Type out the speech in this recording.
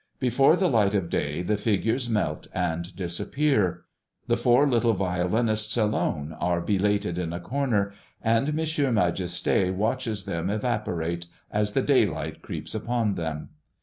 Before the light of day the figures melt and disappear. The four little violinists alone are belated in a corner; and M. Majesté watches them evaporate as the daylight creeps upon them.